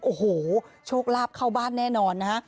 โอ้โหโชคลาภเข้าบ้านแน่นอนนะฮะ